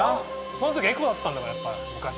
その時エコだったんだから昔は。